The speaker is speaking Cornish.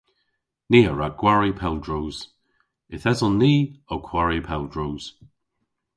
Ni a wra gwari pel droos. Yth eson ni ow kwari pel droos.